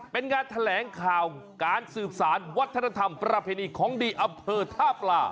เป็นงานแถลงข่าวการสืบสารวัฒนธรรมประเพณีของดีอำเภอท่าปลา